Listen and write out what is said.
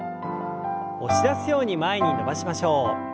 押し出すように前に伸ばしましょう。